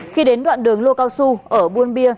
khi đến đoạn đường lua cao xu ở buôn bia